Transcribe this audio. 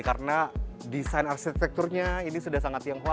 karena desain arsitekturnya ini sudah sangat tionghoa